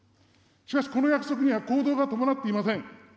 しかしこの約束には、行動が伴っていません。